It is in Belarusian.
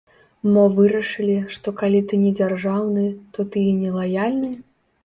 Мо вырашылі, што калі ты не дзяржаўны, то ты і не лаяльны?